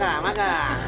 hari ketiga pak